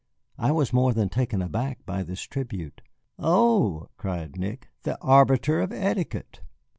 I was more than taken aback by this tribute. "Oh," cried Nick, "the arbiter of etiquette!"